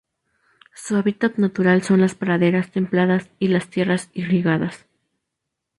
Su hábitat natural son las praderas templadas y las tierras irrigadas.